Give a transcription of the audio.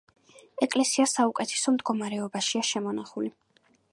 ეკლესია საუკეთესო მდგომარეობაშია შემონახული.